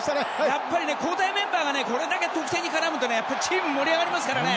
やっぱり交代メンバーがこれだけ得点に絡むとチームは盛り上がりますからね。